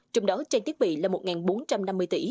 trong đó trang thiết bị là một bốn trăm năm mươi tỷ